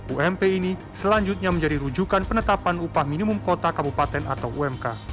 ump ini selanjutnya menjadi rujukan penetapan upah minimum kota kabupaten atau umk